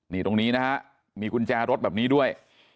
นี่ตรงนี้นะฮะมีกุญแจรถแบบนี้ด้วย